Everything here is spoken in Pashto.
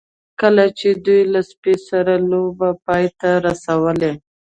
کله چې دوی له سپي سره لوبې پای ته ورسولې